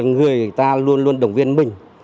người ta luôn luôn đồng viên mình